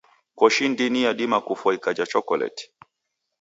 Koshi ndini yadima kufwa ikaja chokoleti.